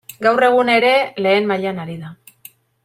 Gaur egun ere lehen mailan ari da.